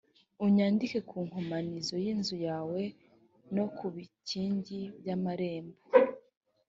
uyandike ku nkomanizo z’inzu yawe no ku bikingi by’amarembo